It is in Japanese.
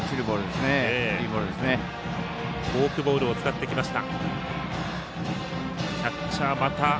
フォークボールを使ってきました。